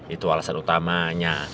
itu alasan utamanya